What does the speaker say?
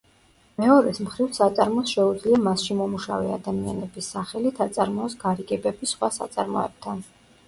მეორეს მხრივ საწარმოს შეუძლია მასში მომუშავე ადამიანების სახელით აწარმოოს გარიგებები სხვა საწარმოებთან.